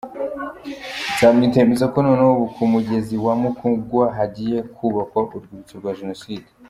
Nzamwita yemeza ko noneho ubu ku mugezi wa Mukungwa hagiye kubakwa Urwibutso rwa Jenoside.